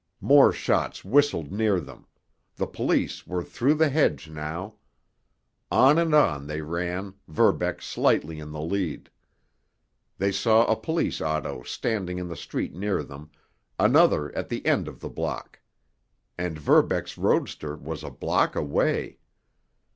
More shots whistled near them—the police were through the hedge now. On and on they ran, Verbeck slightly in the lead. They saw a police auto standing in the street near them, another at the other end of the block. And Verbeck's roadster was a block away!